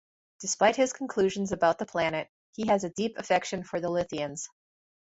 Despite his conclusions about the planet, he has a deep affection for the Lithians.